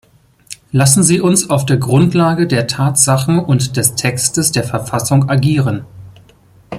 Lassen Sie uns auf der Grundlage der Tatsachen und des Textes der Verfassung agieren.